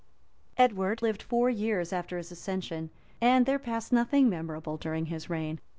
29] Edward lived four years after his accession, and there passed nothing memorable during his reign.